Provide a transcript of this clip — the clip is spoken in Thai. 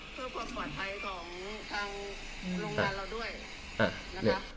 เพื่อความปลอดภัยของทางโรงงานเราด้วยนะคะ